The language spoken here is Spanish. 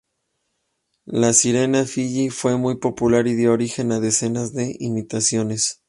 La sirena Fiyi fue muy popular y dio origen a decenas de imitaciones.